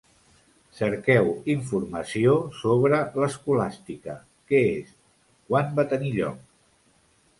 Cerqueu informació sobre l'escolàstica. Què és? Quan va tenir lloc?